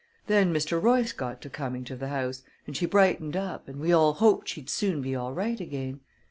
Then Mr. Royce got to coming to the house, and she brightened up, and we all hoped she'd soon be all right again.